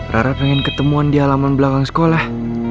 rara pengen ketemuan di halaman belakang sekolah